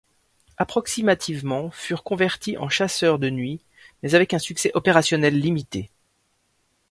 Approximativement furent convertis en chasseurs de nuit, mais avec un succès opérationnel limité.